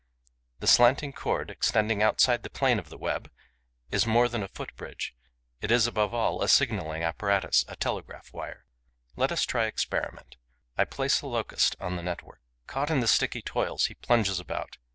The slanting cord, extending outside the plane of the web, is more than a foot bridge: it is, above all, a signalling apparatus, a telegraph wire. Let us try experiment. I place a Locust on the network. Caught in the sticky toils, he plunges about.